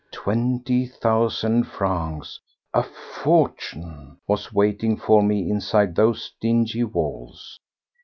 Twenty thousand francs—a fortune!—was waiting for me inside those dingy walls.